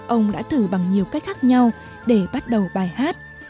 ông đã thử bằng nhiều cách khác nhau để bắt đầu bài hát